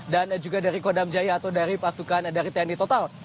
dan juga dari kodam jaya atau dari pasukan dari tni total